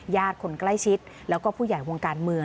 คนใกล้ชิดแล้วก็ผู้ใหญ่วงการเมือง